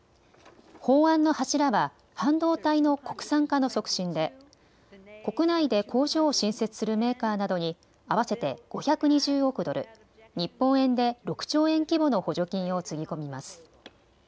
法案の柱は半導体の国産化の促進で国内で工場を新設するメーカーなどに合わせて５２０億ドル、日本円で６兆円規模の補助金をつぎ込みます。